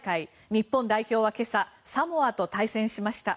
日本代表は今朝、サモアと対戦しました。